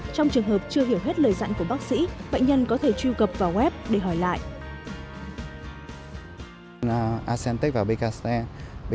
trong trường hợp chưa hiểu hết lời dặn của bác sĩ bệnh nhân có thể truy cập vào web để hỏi lại